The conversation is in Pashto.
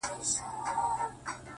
گوره اوښكي به در تـــوى كـــــــــړم ـ